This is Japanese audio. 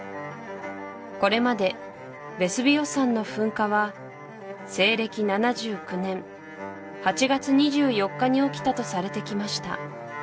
これまでヴェスヴィオ山の噴火は西暦７９年８月２４日に起きたとされてきました